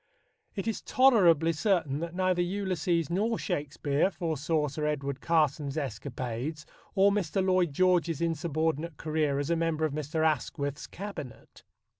It is tolerably certain that neither Ulysses nor Shakespeare foresaw Sir Edward Carson's escapades or Mr. Lloyd George's insurbordinate career as a member of Mr. Asquith's Cabinet.